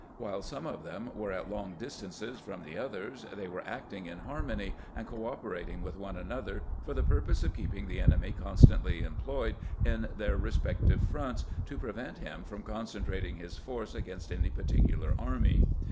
While some of them were at long distances from the others, they were acting in harmony, and cooperating with one an other for the purpose of keeping the enemy constantly employed in their respective fronts, to prevent him from concentrating his force against any particular army.